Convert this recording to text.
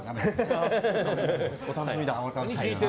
お楽しみだ。